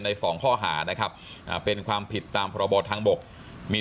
สองข้อหานะครับเป็นความผิดตามพรบทางบกมี